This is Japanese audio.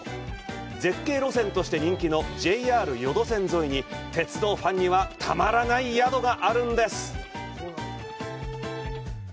絶景路線として人気のＪＲ予土線沿いに、鉄道ファンにはたまらない宿があるんです。